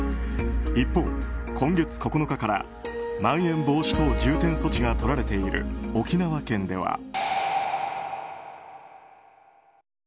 一方、今月９日からまん延防止等重点措置がとられている沖縄県では。